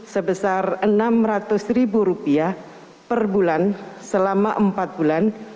sebesar rp enam ratus per bulan selama empat bulan